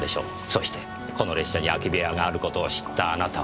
そしてこの列車に空き部屋がある事を知ったあなたは。